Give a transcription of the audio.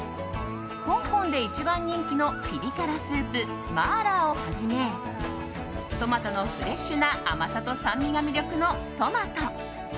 香港で一番人気のピリ辛スープマーラーをはじめトマトのフレッシュな甘さと酸味が魅力のトマト。